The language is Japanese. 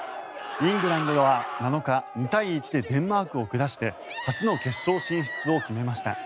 イングランドは７日２対１でデンマークを下して初の決勝進出を決めました。